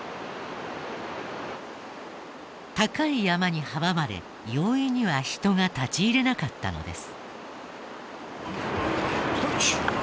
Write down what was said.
高い山に阻まれ容易には人が立ち入れなかったのです。